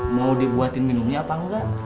mau dibuatin minumnya apa enggak